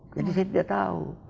jadi saya tidak tahu